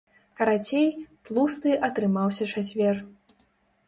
Карацей, тлусты атрымаўся чацвер!